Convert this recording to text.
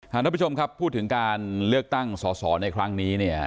ท่านผู้ชมครับพูดถึงการเลือกตั้งสอสอในครั้งนี้เนี่ย